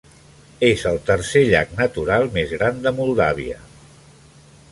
És el tercer llac natural més gran de Moldàvia.